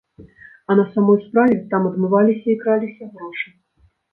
А на самой справе, там адмываліся і краліся грошы.